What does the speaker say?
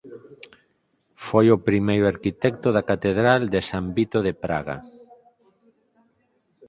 Foi o primeiro arquitecto da Catedral de San Vito de Praga.